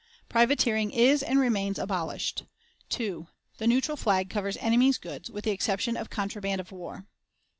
Privateering is and remains abolished. "2. The neutral flag covers enemy's goods, with the exception of contraband of war.